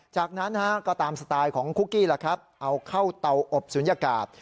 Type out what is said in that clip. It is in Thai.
จากนั้นก็ตามสไตล์ของคุกกี้ล่ะครับเอาเข้าเตาอบศูนยากาศ